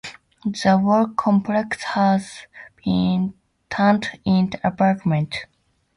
The whole complex has been turned into apartments.